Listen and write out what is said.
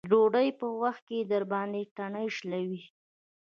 د ډوډۍ په وخت درباندې تڼۍ شلوي.